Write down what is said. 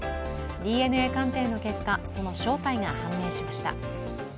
ＤＮＡ鑑定の結果、その正体が判明しました。